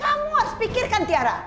kamu harus pikirkan tiara